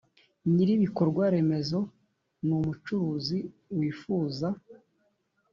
Nyir ibikorwaremezo n umucuruzi wifuza